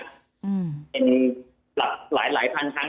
เป็นหลายพันทั้ง